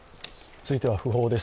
続いては不法です